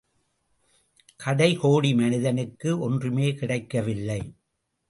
கடை கோடி மனிதனுக்கு ஒன்றுமே கிடைக்க வில்லை.